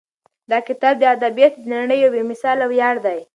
دا کتاب د ادبیاتو د نړۍ یو بې مثاله ویاړ دی.